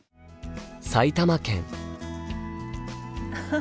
埼玉県。